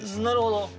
なるほど。